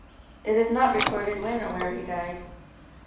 It is not recorded when or where he died.